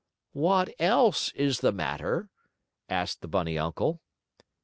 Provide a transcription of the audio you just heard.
"What else is the matter?" asked the bunny uncle.